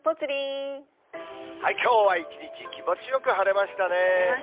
きょうは一日、気持ちよく晴れましたね。